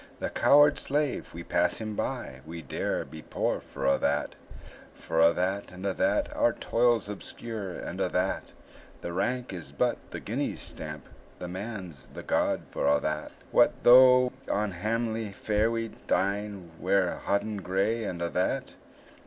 The coward slave, we pass him by; We dare be poor for a' that. For a' that, and a' that, Our toils obscure, and a' that; The rank is but the guinea's stamp, The man's the gowd for a' that. What though on hamely fare we dine, Wear hoddin gray, and a' that?